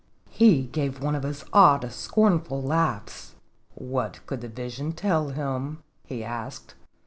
He gave one of his odd, scornful laughs'. " What could the vision tell him?" he asked.